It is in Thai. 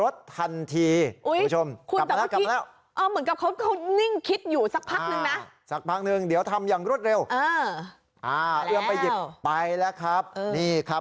สักครั้งนึงเดี๋ยวทำอย่างรวดเร็วเออเอาไปหยิบไปแล้วครับนี่ครับ